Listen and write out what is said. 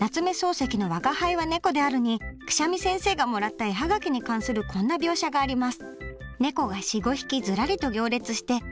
漱石の「吾輩は猫である」に苦沙弥先生がもらった絵葉書に関するこんな描写があります。